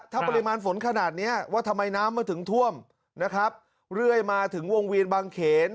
ถ้าปริมาณฝนขนาดเนี้ยว่าทำไมน้ำมาถึงท่วมนะครับเรื่อยมาถึงวงเวียนบางเขน